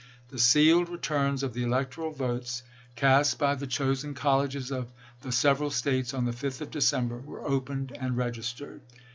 The sealed returns of the electoral votes, cast by the chosen colleges of the several States on the 5th of December, were opened and registered.